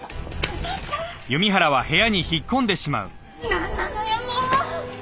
なんなのよもう！